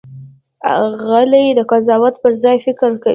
غلی، د قضاوت پر ځای فکر کوي.